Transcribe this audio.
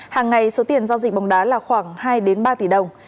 hàng ngày số tiền giao dịch bóng đá là khoảng hai ba tỷ đồng